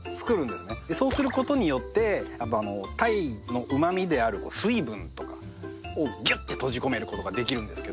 そうする事によって鯛のうまみである水分とかをギュッて閉じ込める事ができるんですけど。